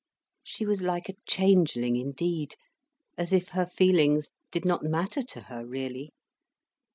She was like a changeling indeed, as if her feelings did not matter to her, really.